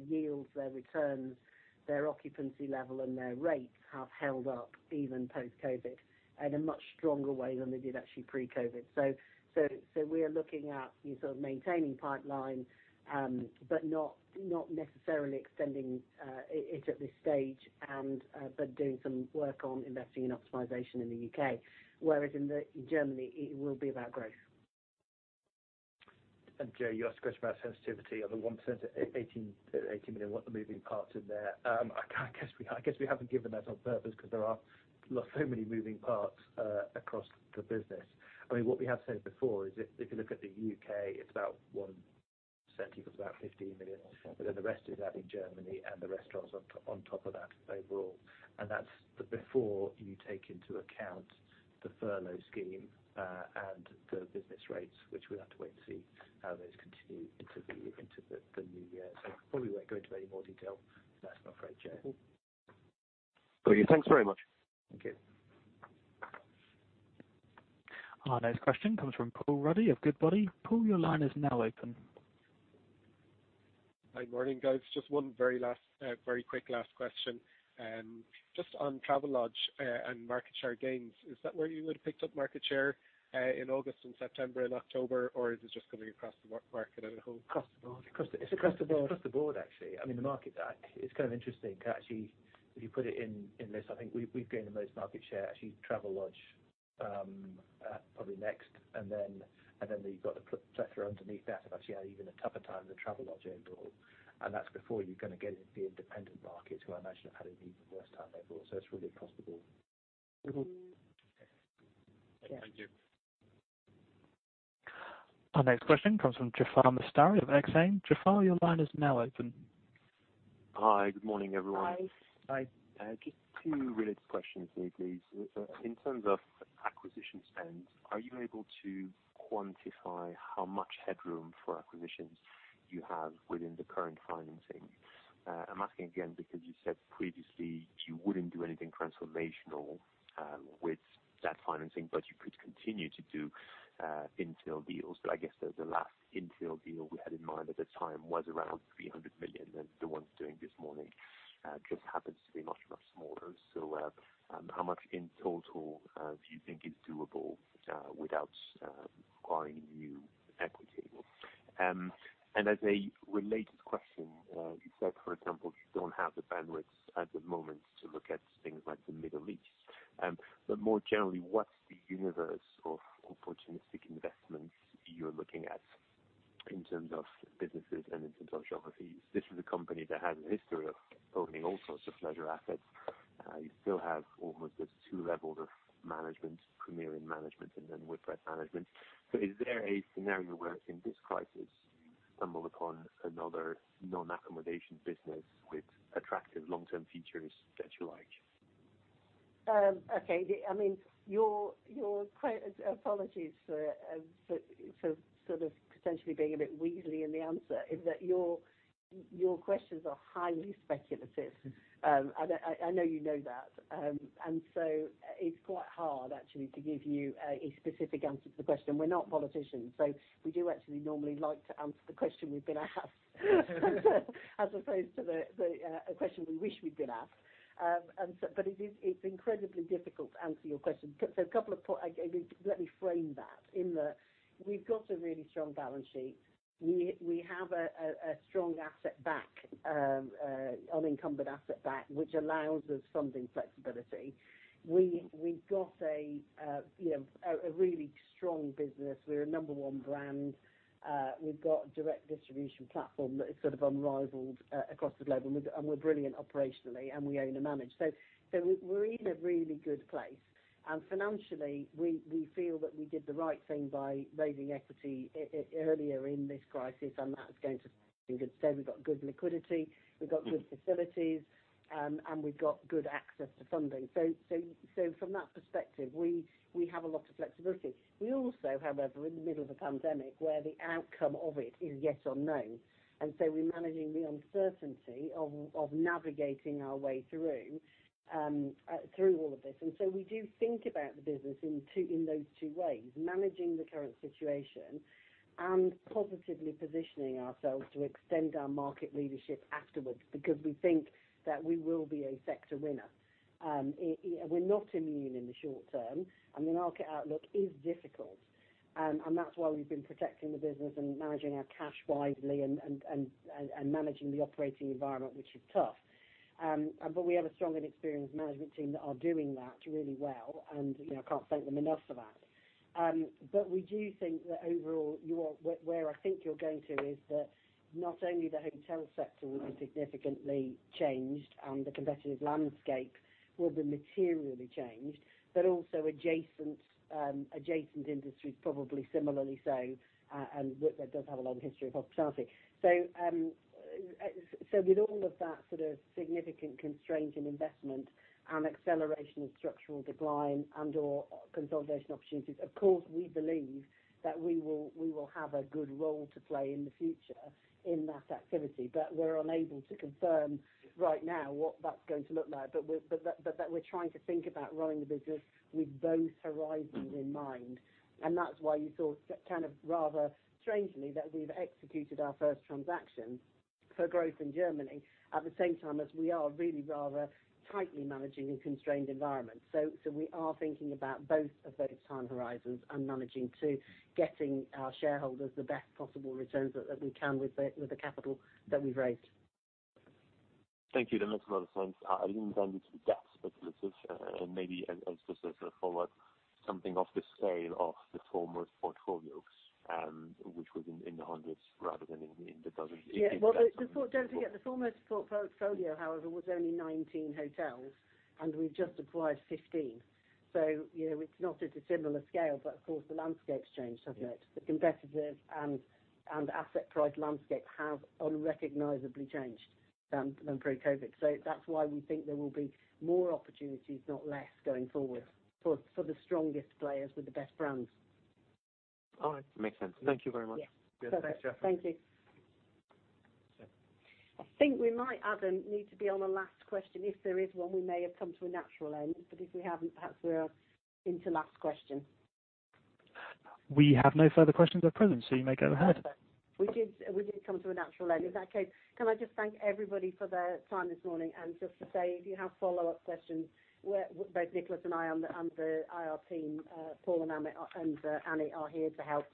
yields, their returns, their occupancy level, and their rates have held up even post-COVID in a much stronger way than they did actually pre-COVID. We are looking at maintaining pipeline, but not necessarily extending it at this stage, but doing some work on investing in optimization in the U.K., whereas in Germany, it will be about growth. Joe, you asked a question about sensitivity of the 1%, 18 million, what are the moving parts in there? I guess we haven't given that on purpose because there are so many moving parts across the business. What we have said before is if you look at the U.K., it's about 1%, it's about 15 million, then the rest is out in Germany and the restaurants on top of that overall. That's before you take into account the furlough scheme, and the business rates, which we'll have to wait and see how those continue into the new year. Probably won't go into any more detail than that, I'm afraid, Joe. Cool. Thanks very much. Thank you. Our next question comes from Paul Ruddy of Goodbody. Paul, your line is now open. Hi. Morning, guys. Just one very quick last question. Just on Travelodge and market share gains, is that where you would have picked up market share in August and September and October? Or is it just coming across the market as a whole? Across the board. It's across the board, actually. The market, it's kind of interesting, actually, if you put it in this, I think we've gained the most market share. Actually Travelodge probably next, and then you've got the plethora underneath that have actually had even a tougher time than Travelodge overall. That's before you're going to get into the independent markets, who I imagine have had an even worse time overall. It's really across the board. Thank you. Our next question comes from Jaafar Mestari of Exane. Jaafar, your line is now open. Hi. Good morning, everyone. Hi. Hi. Just two related questions for you, please. In terms of acquisition spend, are you able to quantify how much headroom for acquisitions you have within the current financing? I'm asking again because you said previously you wouldn't do anything transformational with that financing, but you could continue to do infill deals. I guess the last infill deal we had in mind at the time was around 300 million, and the ones doing this morning just happens to be much, much smaller. How much in total do you think is doable without acquiring new equity? As a related question, you said, for example, you don't have the bandwidth at the moment to look at things like the Middle East. More generally, what's the universe of opportunistic investments you're looking at in terms of businesses and in terms of geographies? This is a company that has a history of owning all sorts of leisure assets. You still have almost the two levels of management, Premier Inn management and then Whitbread management. Is there a scenario where in this crisis, you stumble upon another non-accommodation business with attractive long-term features that you like? Okay. Apologies for sort of potentially being a bit weaselly in the answer is that your questions are highly speculative. I know you know that. It's quite hard actually to give you a specific answer to the question. We're not politicians, so we do actually normally like to answer the question we've been asked as opposed to a question we wish we'd been asked. It's incredibly difficult to answer your question. Let me frame that in that we've got a really strong balance sheet. We have a strong unencumbered asset back, which allows us funding flexibility. We've got a really strong business. We're a number one brand. We've got a direct distribution platform that is sort of unrivaled across the globe, and we're brilliant operationally, and we own and manage. We're in a really good place. Financially, we feel that we did the right thing by raising equity earlier in this crisis, and that's going to stand us in good stead. We've got good liquidity, we've got good facilities, and we've got good access to funding. From that perspective, we have a lot of flexibility. We also, however, are in the middle of a pandemic where the outcome of it is yet unknown, and so we're managing the uncertainty of navigating our way through all of this. We do think about the business in those two ways, managing the current situation and positively positioning ourselves to extend our market leadership afterwards because we think that we will be a sector winner. We're not immune in the short term, and the market outlook is difficult. That's why we've been protecting the business and managing our cash wisely and managing the operating environment, which is tough. We have a strong and experienced management team that are doing that really well, and I can't thank them enough for that. We do think that overall, where I think you're going to is that not only the hotel sector will be significantly changed and the competitive landscape will be materially changed, but also adjacent industries probably similarly so, and Whitbread does have a long history of hospitality. So with all of that sort of significant constraint in investment and acceleration of structural decline and/or consolidation opportunities, of course, we believe that we will have a good role to play in the future in that activity, but we're unable to confirm right now what that's going to look like. That we're trying to think about running the business with both horizons in mind, and that's why you saw, kind of rather strangely, that we've executed our first transaction for growth in Germany at the same time as we are really rather tightly managing a constrained environment. We are thinking about both of those time horizons and managing to getting our shareholders the best possible returns that we can with the capital that we've raised. Thank you. That makes a lot of sense. I think I'll leave it to that, but this is maybe as just a sort of follow-up, something of the sale of the foremost portfolios, which was in the hundreds rather than in the dozens. Yeah. Don't forget, the foremost portfolio, however, was only 19 hotels, and we've just acquired 15. It's not at a similar scale, but of course the landscape's changed, hasn't it? The competitive and asset price landscape have unrecognizably changed than pre-COVID-19. That's why we think there will be more opportunities, not less, going forward for the strongest players with the best brands. All right. Makes sense. Thank you very much. Yeah. Thanks, Jaafar. Thank you. I think we might, Adam, need to be on the last question if there is one. We may have come to a natural end, but if we haven't, perhaps we are into last question. We have no further questions at present, so you may go ahead. Perfect. We did come to a natural end. In that case, can I just thank everybody for their time this morning and just to say, if you have follow-up questions, both Nicholas and I and the IR team, Paul and Amit and Annie are here to help.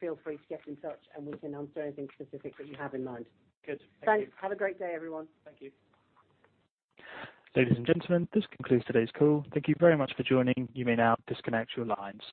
Feel free to get in touch, and we can answer anything specific that you have in mind. Good. Thank you. Thanks. Have a great day, everyone. Thank you. Ladies and gentlemen, this concludes today's call. Thank you very much for joining. You may now disconnect your lines.